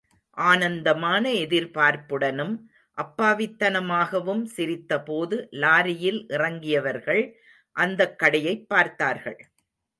ஆனந்தமான எதிர்பார்ப்புடனும், அப்பாவித்தனமாகவும் சிரித்தபோது லாரியில் இறங்கியவர்கள், அந்தக் கடையைப் பார்த்தார்கள்.